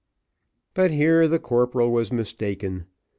But here the corporal was mistaken.